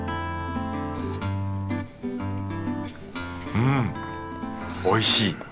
うんおいしい。